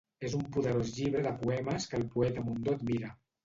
És un poderós llibre de poemes que el poeta Mundó admira.